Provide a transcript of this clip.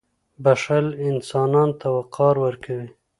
• بښل انسان ته وقار ورکوي.